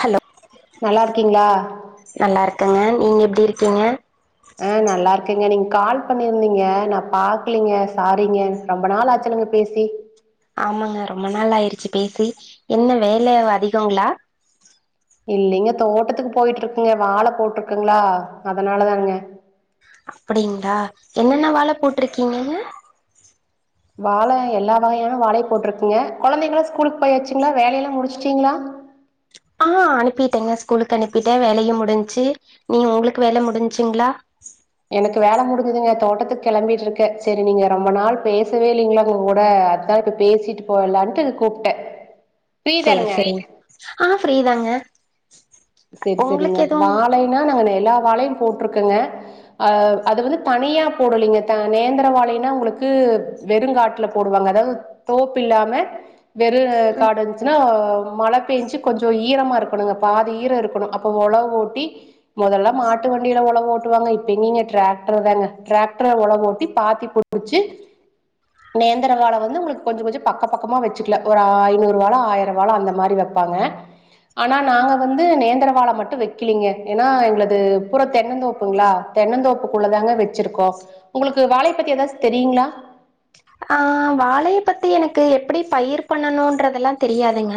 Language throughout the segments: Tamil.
ஹலோ நல்லா இருக்கீங்களா நல்லா இருக்குங்க நீங்க எப்டி இருக்கீங்க ஆ நல்லா இருக்கேங்க நீங்க கால் பண்ணியிருந்தீங்க நா பாக்கலீங்க சாரிங்க ரொம்ப நாள் ஆச்சு நீங்க பேசி ஆமாங்க ரொம்ப நாள் ஆயிடுச்சு பேசி என்ன வேலை அதிகங்களா இல்லைங்க தோட்டத்துக்கு போயிட்டு இருக்குங்க வாழை போட்டுருக்குங்களா அதனாலதானங்க அப்டிங்களா என்னென்ன வாழை போட்டிருக்கீங்க வாழை எல்லா வகையான வாழையை போட்டிருக்கங்க குழந்தைங்களா ஸ்கூலுக்கு போயாச்சுங்களா வேலையெல்லா முடிச்சுட்டீங்களா ஆ அனுப்பிட்டேங்க ஸ்கூலுக்கு அனுப்பிட்டே வேலையு முடிஞ்சு நீங்க உங்களுக்கு வேலை முடிஞச்சுங்களா எனக்கு வேலை முடிஞ்சுதுங்க தோட்டத்துக்கு கிளம்பிட்டு இருக்கே சேரி நீங்க ரொம்ப நாள் பேசவே இல்லைங்களா உங்க கூட அத இப்ப பேசிட்டு போலான்ட்டு இது கூப்பிட்டே சேரி சேரி ஆ ஃப்ரீதாங்க சேரி சேரிங்க வாழைன்னா நாங்க எல்லா வாழையு போட்டுருக்கோங்க அ அது வந்து தனியா போடலலைங்க நேந்திரவாழைனா உங்களுக்கு வெறுங்காட்டுல போடுவாங்க அதாவது தோப் இல்லாம வெள்ளே காடு இருந்துசினா மழ பேஞ்சு கொஞ்சோ ஈரமா இருக்கணு பாதி ஈர இருக்கணு அப்ப ஒழவு ஓட்டி மொதல்லா மாட்டு வண்டியில ஒழவு ஓட்டுவாங்க இப்ப எங்கிங்க டிராக்டர் தாங்க டிராக்டர் ஒழவு ஓட்டி பாத்தி [unintelligible] நேந்தரவாழை வந்து உங்களுக்கு கொஞ்சோ கொஞ்சோ பக்க பக்கமா வெச்சுக்கல ஒரு ஐநூறு வாழை ஆயிரவாழை அந்த மாரி வப்பாங்க ஆனா நா இப்ப வந்து நேந்திரவாழ மட்டு வெக்கலிங்க ஏன்னா எங்களது பூறா தென்னந் தோப்புங்ளா தென்னந்தோப்புக்குள்ள தாங்க வெச்சிருக்கோ உங்களுக்கு வாழைய பத்தி எதாச்சு தெரியுங்ளா ஆ வாழைய பத்தி எனக்கு எப்பிடி பயிர் பண்ணணுன்றதெல்லா தெரியாதுங்க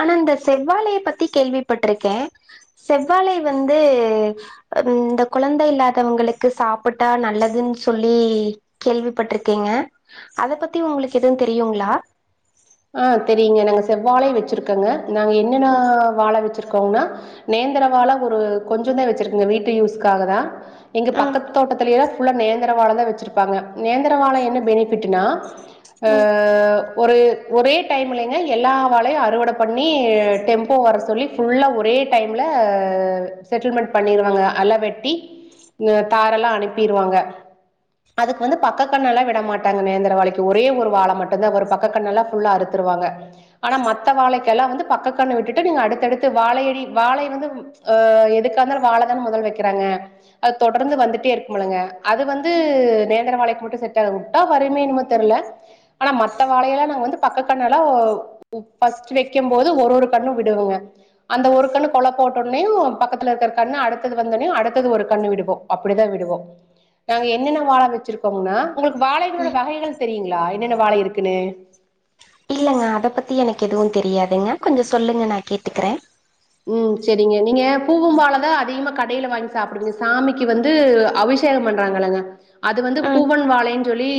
ஆனா இந்த செவ்வாழைய பத்தி கேள்விப்பட்ருகே செவ்வாழை வந்து ம் இந்த கொழந்தை இல்லாதவங்களுக்கு சாப்புட்டா நல்லதுன்னு சொல்லி கேள்விப்பட்டிருக்கேங்க அத பத்தி உங்களுக்கு எது தெரியுங்ளா ஆ தெரியுங்க நாங்க செவ்வாழை வெச்சிருக்கங்க நாங்க என்னன்ன ம் வாழ வெச்சிருக்கோங்க நேந்தர வாழ ஒரு கொஞ்ச தா வெச்சிருக்க வீட்டு யூஸ்காக தா எங்க ம் பக்கத்து தோட்டத்துலைல்லா ஃபுல்லா நேந்தர வாழதா வெச்சிருப்பாங்க நேந்தர வாழ என்ன பெனிஃபிட்டுனா அ ம் ஒரு ஒரே டைம்லங்க எல்லா வாழையு அறுவட பண்ணி டெம்போ வர சொல்லி ஃபுல்லா ஒரே டைம்ல செட்டில்மெண்ட் பண்ணிருவாங்க அல வெட்டி இங்க தாரெல்லா அனுப்பிருவாங்க அதுக்கு வந்து பக்க கண்ணல்லா விட மாட்டாங்க நேந்தர வாழைக்கு ஒரே ஒரு வாழ மட்டுதா வரு பக்க கண்ணல்லா ஃபுல்லா அறுத்துருவாங்க ஆனா மத்த வாழைக்கெல்லா வந்து பக்க கன்னு விட்டுட்டு நீங்க அடுத்தடுத்து வாழையடி வாழை வந்து அ எதுக்காந்தாலு வாழ தான மொதல் வக்கிறாங்க அது தொடர்ந்து வந்துட்டே இருக்குமலுங்க அது வந்து நேந்தர வாழைக்கு மட்டு செட் ஆகு இத்தா வறுமே எனமோ தெர்ல ஆனா மத்த வாழையிலா நாங்க வந்து பக்க கண்ணலா ஃபஸ்ட்டு வெக்கும் போது ஒரு ஒரு கண்ணு விடுவோங்க அந்த ஒரு கண்ணு கொழ போட்டோன்னயு பக்கத்துல இருக்கிற கண்ணு அடுத்தது வந்தோனே அடுத்தது ஒரு கண்ணு விடுவோ அப்டி தா விடுவோ நாங்க என்னென்ன வாழ வெச்சுருக்கோமுனா உங்களுக்கு வாழைகளோட ம் வகைகள் தெரியுங்களா என்னென்ன வாழை இருக்குன்னு இல்லங்க அத பத்தி எனக்கு எதுவு தெரியாதுங்க கொஞ்ச சொல்லுங்க நா கேட்டுக்கிற ம் செரிங்க நீங்க பூவும் வாழ தா அதிகமா கடையில வாங்கி சாப்புடுவிங்க சாமிக்கு வந்து அவிஷ் டேக பண்றாங்களங்க அது வந்து ம் பூவன் வாழை சொல்லி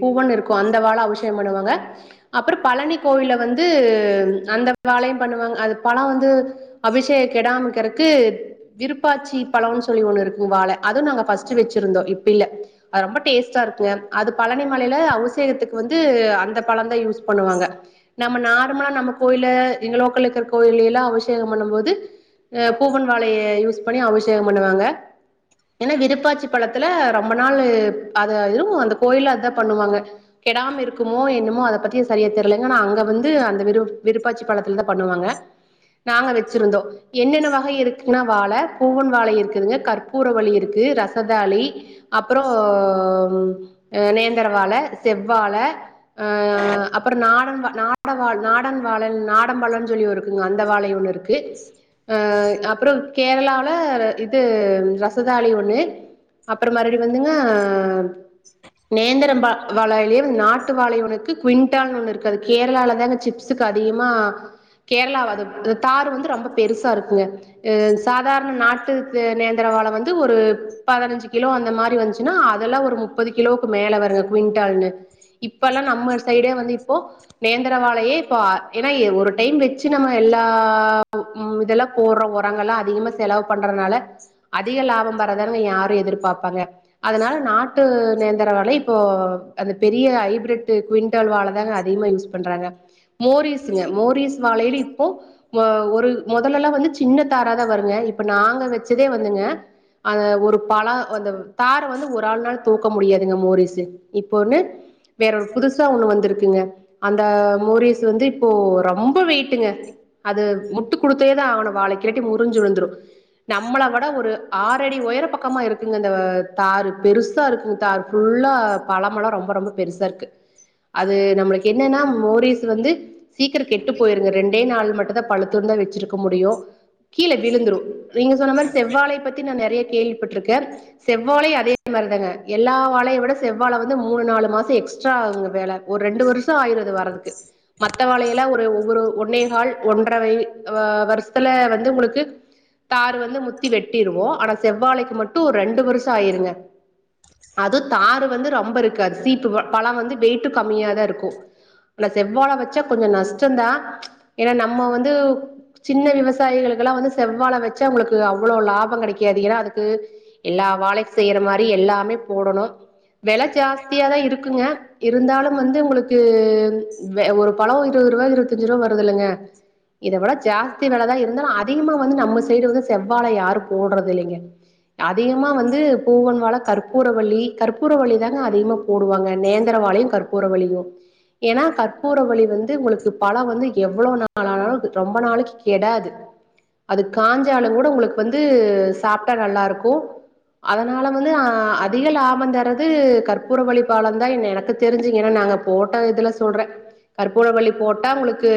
பூவன் இருக்கு அந்த வாழ அவிசேகம் பண்ணுவாங்க அப்பறம் பழனி கோவில்ல வந்து அந்த வாழையு பண்ணுவாங்க அது பழ வந்து அபிஷேக கெடாம இக்கறக்கு விருப்பாச்சி பழோன்னு சொல்லி ஒண்ணு இருக்கு வாழ அது நாங்க ஃபஸ்ட்டு வெச்சிருந்தோ இப்ப இல்ல அது ரொம்ப டேஸ்ட்டா இருக்குங்க அது பழனி மலையில அவுசேகத்துக்கு வந்து அந்த பழ தா யூஸ் பண்ணுவாங்க நம்ம நார்மலா நம்ம கோயில எங்க லோக்கல்ல இருக்குற கோயில்லைலா அவுசே கம் பண்ணும் போது பூவன் வாழைய யூஸ் பண்ணி அபிஷேகம் பண்ணுவாங்க என்னா விருப்பாச்சி பழத்துல ரொம்ப நாளு அது வாயிரும் அந்த கோயில்ல அதா பண்ணுவாங்க கெடாம இருக்குமோ என்னுமோ அத பத்தியு சரியா தெர்லங்க ஆனா அங்க வந்து அந்த விரு விருப்பாச்சி பழத்துலதா பண்ணுவாங்க நாங்க வெச்சிருந்தோ என்னென்ன வகை இருக்குன்னா வாழ பூவன் வாழை இருக்குதுங்க கற்பூர வல்லி இருக்கு ரசதாளி அப்பறோ நேந்தர வாழ செவ்வாழ ஆ அப்பற நாடன் வா நாட வாழ நாடன் வாழ நாடன் பழன்னு சொல்லி இருக்குங்க அந்த வாழையு போல இருக்கு அ அப்பறம் கேரளால இது ரசதாளி ஒண்ணு அப்பண மறுவடி வந்துங்க நேந்திரம் வா வாழையிலயே நாட்டு வாழை ஒன்னிருக்கு குவிண்டான் ஒண்ணு இருக்கு அது கேரளால தாங்க சிப்ஸ் க்கு அதிகமா கேரளாவது தார் வந்து ரொம்ப பெருசா இருக்குங்க அ சாதாரண நாட்டு நேந்தர வாழ வந்து ஒரு பதினஞ்சு கிலோ அந்த மாரி வந்துச் ன்னா அதெல்லா ஒரு முப்பது கிலோவுக்கு மேல வருங்க குவிண்டால்னு இப்பல்லா நம்ம சைடே வந்து இப்போ நேந்திரவாளையே இப்போ ஏன்னா ஒரு டைம் வச்சு நம்ம எல்லா ம் இதல்லா போடுற உரங்கல்லா அதிகமா செலவு பண்றதுனால அதிக லாபம் வர தானுங்க யாரும் எதிர்பாப்பாங்க அதனால நாட்டு நேந்திர வலை இப்போ அந்த பெரிய ஹைபிரிட் து குவிண்டல் வாழ தாங்க அதிகமா யூஸ் பண்றாங்க மோரிஸ்ங்க மோரிஸ் வாழையில இப்போ ஒ ஒரு முதலெல்லா வந்து சின்ன தாராதா வருங்க இப்ப நாங்க வச்சதே வந்துங்க அ ஒரு பழ அந்த தாற வந்து ஒரு ஆள்னால தூக்க முடியாதுங்க மோரிஸு இப்போ ஒண்ணு வேற ஒரு புதுசா ஒண்ணு வந்திருக்குங்க அந்த மோரியஸ் வந்து இப்போ ரொம்போ வெயிட்டுங்க அது முட்டு கொடுத்தே தா ஆவணு வாழைக்கு இல்லாட்டி முறிஞ்சு விழுந்துடு நம்மள விட ஒரு ஆறடி ஒயர பக்கமா இருக்குங்க அந்த தாரு பெருசா இருக்குங்க தாரு புல்ல பழமலா ரொம்ப ரொம்ப பெருசா இருக்கு அது நம்மளக்கு என்னன்னா மோரிஸ் வந்து சீக்கிர கெட்டு போயிருங்க ரெண்டே நாள் மட்டும்தா பழுத்தன்ன தா வச்சிருக்க முடியு கீழே விழுந்துரு நீங்க சொன்ன மாரி செவ்வாழை பத்தி நா நறைய கேள்விப்பட்டிருக்க செவ்வாழையு அதே மாரிதாங்க எல்லா வாழையு விட செவ்வாழ வந்து மூணு நாலு மாசம் எக்ஸ்ட்ரா ஆகுங்க வேல ஒரு ரெண்டு வருஷம் ஆயிருது வரத்துக்கு மத்தவாழைல்லா ஒரு ஒவ்வொரு ஒன்னேஹால் ஒன்றர வை ஆ வருஷத்துல வந்து உங்களுக்கு தாரு வந்து முத்தி வெட்டிருவோ ஆனா செவ்வாழைக்கு மட்டு ரெண்டு வருஷம் ஆயிருங்க அதும் தாரு வந்து ரொம்ப இருக்காது சீப்பு வா பழ வந்து வெய்டும் கம்மியாதா இருக்கு ஆனா செவ்வாழை வச்சா கொஞ்ச நஷ்டம் தா ஏன்னா நம்ம வந்து சின்ன விவசாயிகளுக்கு எல்லா வந்து செவ்வாழ வச்சு அவங்களுக்கு அவ்ளவு லாபம் கடைக்காது ஏனா அதுக்கு எல்லா வாழைக்கு செய்யற மாரி எல்லாமே போடணு வெல ஜாஸ்தியாதா இரு ருக்குங்க இருந்தாலும் வந்து உங்களுக்கு வே ஒரு பழம் வாங்கிட்டு வந்து இருபது ரூபா இருபத்தஞ்சு ரூபா வருதுல்லங்க [unintelligible] இத விட ஜாஸ்தி வெலதா இருந்தாலு அதிகமா வந்து நம்ம சைடு வந்து செவ்வாழ யாரு போடுறது இல்லங்க அதிகமா வந்து பூவன் வாழ கற்பூரவள்ளி கற்பூரவள்ளிதான அதிகமா போடுவாங்க நேந்திர வாழையும் கற்பூரவள்ளியும் ஏன்னா கற்பூரவள்ளி வந்து உங்களுக்கு பழம் வந்து எவ்ள ந ள் ஆனாலும் அது ரொம்ப நாளைக்கு கெடாது அது காஞ்சாலு கூட உங்களுக்கு வந்து சாப்டா நல்லா இருக்கு அதனால வந்து அ அதிக லாபம் தரது கற்பூரவள்ளி பழம்தா என் எனக்கு தெரிஞ்சி ஏன்னா நாங்க போட்ட இதுல சொல்ற கற்பூரவள்ளி போட்டா உங்களுக்கு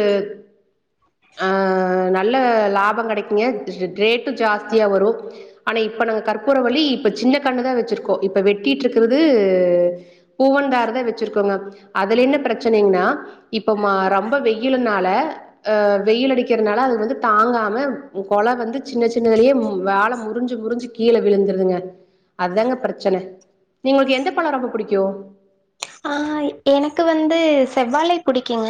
ஆ நல்ல லாபம் கடைக்குங்க ரேட்டும் ஜாஸ்தியா வரும் ஆனா இப்ப நாங்க கற்பூரவள்ளி இப்ப சின்ன கண்ணுதா வச்சிருக்கோ இப்ப வெட்டிட்டு இருக்கறது பூவனந்தாறுதா வச்சிருக்கோங்க அதுல என்ன பிரச்சனைங்கன்னா இப்ப ரொம்ப வெ வெயிலுனால ஆ வெயில் அடிக்கறதுனால அது வந்து தாங்காம கொல வந்து சின்ன சின்னதலேயே வாழ முறிஞ்சு முறிஞ்சு கீழே விழுந்துருதுங்க அதாங்க பிரச்சன நீங்களுக்கு எந்த பழம் ரொம்ப பிடிக்கும் அ எனக்கு வந்து செவ்வாழை பிடிக்குங்க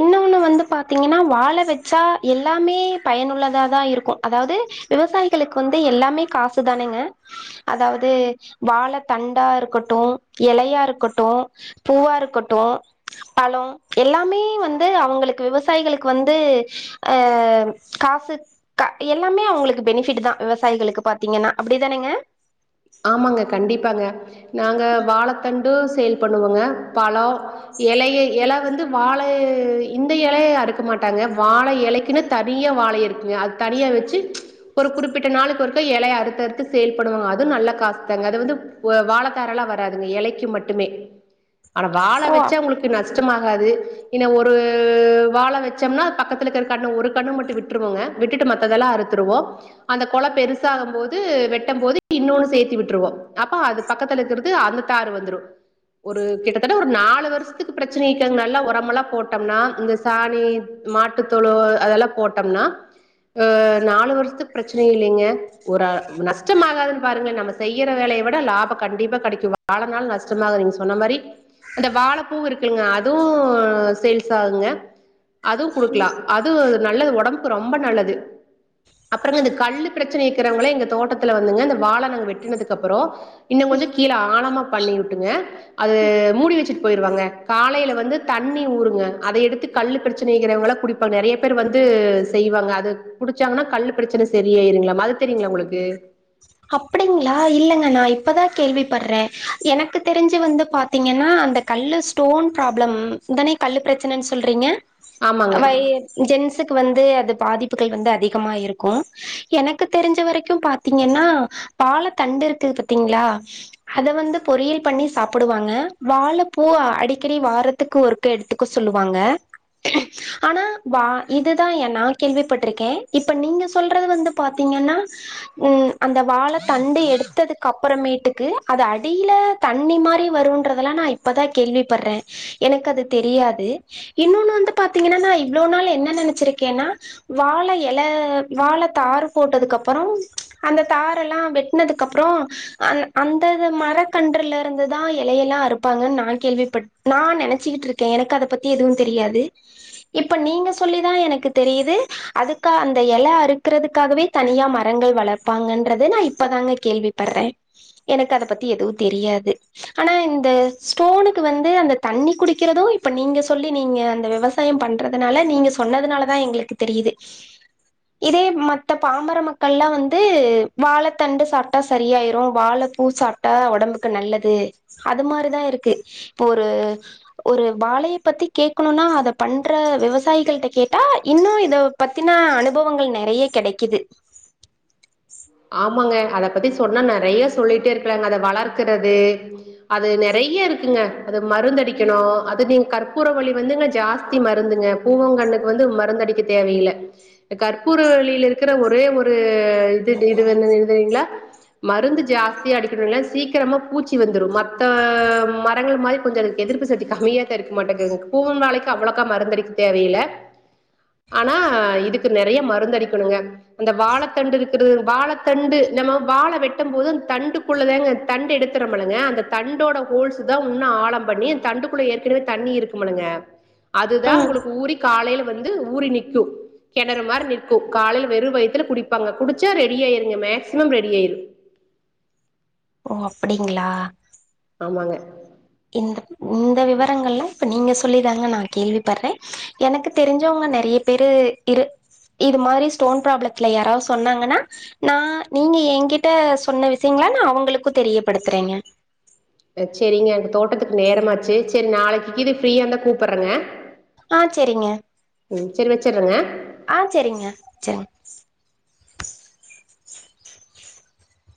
இன்னொன்னு வந்து பாத்தீங்கன்னா வாழ வச்சா எல்லாமே பயனுள்ளதா தா இருக்கு அதாவது விவசாயிகளுக்கு வந்து எல்லாமே காசுதாநாங்க அதாவது வாழதண்டா இருக்கட்டும் எலயா இருக்கட் ட்டும் பூவா இருக்கட்டும் பழம் எல்லாமே வந்து அவுங்களுக்கு விவசாயிகளுக்கு வந்து அ காசு எல்லாமே அவுங்களுக்கு பெனிஃபிட் தான் விவசாயிகளுக்கு பாத்தீங்கனா அப்டிதானேங்க ஆமாங்க கண்டிப்பாங்க நாங்க வாழத்தண்டும் சேல் பண்ணுவோங்க பழம் இலைய இல வந்து வாழ இந்த இலைய அறுக்க மாட்டாங்க வாழ இலைக்குன்னு தனியா வாழை இருக்குங்க அது தனியா வச்சு ஒரு குறிப்பிட்ட நாளுக்கு ஒருக்க இலைய அறுத்து அறுத்து சேல் பன்னுவாங்க அது நல்ல காசு தாங்க அது வந்து வாழத்தாரெல்லாம் வராதுங்க இலைக்கி மட்டுமே ஆனா வாழ ஓ வச்சா உங்களுக்கு நஷ்டமாகாது இன்ன ஒரு வாழ வச்சம்னா அது பக்கத்துல இருக்குற கண்ணு ஒரு கண்ணு மட்டும் விட் விட்ருவோங்க விட்டுட்டு மத்ததெல்லாம் அறுத்துருவோம் அந்த கொழ பெருசாகும் போது வெட்டம் போது இன்னொன்னு சேர்த் விட்டுருவோம் அப்ப அது பக்கத்துலருக்குறது அந்த தாரு வந்துரும் ஒரு கிட்டத்தட்ட ஒரு நாலு வருஷத்துக்கு பிரச்சன இருக்காது நல்ல உரமெல்லா போட்டோம்னா இந்த சாணி மாட்டுத்தொழுவம் அதெல்லா போட்டோம்னா அ நாலு வருஷத்துக்கு பிரச்சன இல்லைங்க ஒரு நஷ்டம் ஆகாதுன் பாருங்க நம்ம செய்யற வேலைய விட லாபம் கண்டிப்பா கெடைக்கும் வாழநாள் நஷ்டமாகாது நீங்க சொன்ன மாரி அந்த வாழப்பூ இருக்குலங்க அதுவும் சேல்ஸ் ஆகுங்க அதுவும் குடுக்கலாம் அதுவு நல்லது உடம்புக்கு ரொம்ப நல்லது அப்புறங்க இந்த கல்லு பிரச்சன இருக்கிறவுங்களா எங்க தோட்டத்துல வந்துங்க இந்த வாழ நாங்க வெட் வெட்டுனதுக்கப்புறம் இன்னும் கொஞ்சோ கீழ ஆழமா பண்ணி விட்டுருங்க அது மூடி வச்சிட்டு போயிருவாங்க காலையில வந்து தண்ணி ஊறுங்க அத எடுத்து கல்லு பிரச்சன இருக்கிறவுங்களா குடிப்பாங்க நெறைய பேர் வந்து செய்வாங்க அது குடிச்சாங்கனா கல்லு பிரச்சன சரியாயிருங்களா அது தெரியங்களா உங்களுக்கு அப்படிங்களா இல்லங்க நா இப்பதான் கேள்வி படுறேன் எனக்கு தெரிஞ்சு வந்து பா பாத்தீங்கனா அந்த கல்லு ஸ்டோன் ப்ராப்ளம் இதானே கல்லு பிரச்சனன்னு சொல்றீங்க ஆமாங்க அ வை ஜென்ஸுக்கு வந்து அது பாதிப்புகள் வந்து அதிகமா இருக்கும் எனக்கு தெரிஞ்ச வரைக்கும் பாத்தீங்கனா வாழ தண்டு இருக்குது பாத்தீங்களா அத வந்து பொரியல் பண்ணி சாப்புடுவாங்க வாழப்பூ அடிக்கடி வாரத்துக்கு ஒரு எடுத்துக்க சொல்லுவாங்க ஆனா வா இததான் என் நா கேள்விப்பட்ருக்கேன் இப்ப நீங்க சொல்றது வந்து பாத்தீங்கனா ம் அந்த வாழ தண்டு எடுத்ததுக்கு அப்புறமேட்டுக்கு அது அடியில தண்ணி மாரி வரும்ன்றதெல்லாம் நா இப்பதான் கேள்வி படுறேன் எனக்கு அது தெரியாது இன்னொன்னு வந்து பாத்தீங்கன்னா நா இவ்ளோ நாள் என்ன நெனைச்சிருக்கேனா வாழ இல வாழ தாரு போட்டதுக்குப்புறம் அந்த தாரெல்லாம் வெட்னதுக்கு அப்புறம் அ அந்த இது மரக்கன்றுலருந்துதான் இலையெல்லாம் அருப்பாங்கன் நா கேள்விப்பட் நா நெனச்சிக்கிட்ருக்கேன் எனக்கு அத பத்தி எதுவும் தெரியாது இப்ப நீங்க சொல்லிதான் எனக்கு தெரியிது அதுக்கா அந்த இல அறுக்குறதுக்காகவே தனியா மரங்கள் வளர்ப்பாங்கன்றத நா இப்பதாங்க கேள்வி படுறேன் எனக்கு அத பத்தி எதுவும் தெரியாது ஆனா இந்த ஸ்டோனுக்கு வந்து அந்த தண்ணி குடிக்கிறதும் இப்ப நீங்க சொல்லி நீங்க அந்த விவசா விவசாயம் பண்றதுனால நீங்க சொன்னதுனாலதான் எங்களுக்கு தெரியுது இதே மத்த பாமர மக்கள்லா வந் து வாழ தண்டு சாப்ட்டா சரியாயிரு வாழ பூ சாப்ட்டா ஒடம்புக்கு நல்லது அது மாரிதா இருக்கு இப்போ ஒரு ஒரு வாழைய பத்தி கேக்கணுனா அத பண்ற விவசாயிகள்ட்ட கேட்டா இன்னு இத பத்தினா அனுபவங்கள் நெறைய கெடைக்குது ஆமாங்க அத பத்தி சொன்னா நெறைய சொல்லிட்டே இருக்கலாங்க அத வளர்கிறது அது நெறைய இருக்குங்க அது மருந்தடிக்கணு அது நீங்க கற்பூரவள்ளி வந்துங்க ஜாஸ்தி மருந்துங்க பூவங்கண்ணுக்கு வந்து மருந்தடிக்க தேவையில்ல இந்த கற்பூரவள்ளியில இருக்கிற ஒரே ஒரு இது இது வந்து எழுதுறீங்ளா மருந்து ஜாஸ்தியா அடிக்கணுனா சீக்கிரமா பூச்சி வந்துரு மத்த மரங்கள் மாரி கொஞ்ச எதிர்ப்பு சக்தி கம்மியா தா இருக்குமாட்டகுங் பூவன் வாழைக்கு அவ்ளோக்கா மருந்தடிக்க தேவையில்ல ஆனா இதுக்கு நெறைய மருந்தடிக்கணுங்க அந்த வாழத்தண்டு இருக் வாழ தண்டு நம்ம வாழ வெட்டும் போது அந்த தண்டுக்குள்ளதாங்க தண்டு எடுக்ரம்பலங்க அந்த தண்டோட ஹோல்ஸ் தா உன்னு ஆழம் பண்ணி அந் தண்டுக்குள்ள ஏற்கனவே தண்ணி இருக்குமுலிங்க அதுதா ம் உங்ளுக்கு ஊரிக் காலைல வந்து ஊறி நிக்கு கெணறு மாரி நிக்கு காலைல வெறு வயத்துல குடிப்பாங்க குடுத் ச்சா ரெடி ஆயிருங்க மேக்சிமம் ரெடி ஆய்ரு ஓ அப்டிங்ளா ஆமாங்க இந்த இந்த விவரங்கள்லா இப்ப நீங்க சொல்லி தாங்க நா கேள்வி பட்றே எனக்கு தெரிஞ்சவங்க நெறய பேரு இரு இது மாரி ஸ்டோன் ப்ராப்ளத்துல யாராவ சொன்னாங்கன்னா நா நீங்க எங்கிட்ட சொன்ன விஷயங்கள நா அவங்களுக்கு தெரியப்படுத்துறேங்க ச்சேரிங்க எனக்கு தோட்டத்துக்கு நேரமாச்சு சரி நாளைக்குக்கு இது ஃப்ரீயா இருந்தா கூப்பறங்க ஆ சேரிங்க வச்சர்றேங்க. ஆ சேரிங்க ச